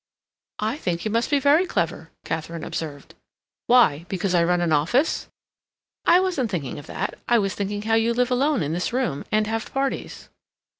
"I think you must be very clever," Katharine observed. "Why? Because I run an office?" "I wasn't thinking of that. I was thinking how you live alone in this room, and have parties."